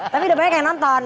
tapi udah banyak yang nonton